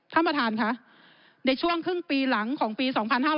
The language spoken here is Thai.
ท่านประธานค่ะในช่วงครึ่งปีหลังของปี๒๕๕๙